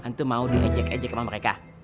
itu mau diejek ejek sama mereka